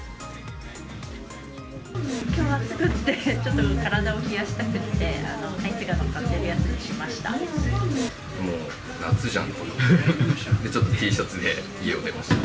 きょう暑くって、ちょっと体を冷やしたくて、アイスがのっかってるやつにしました。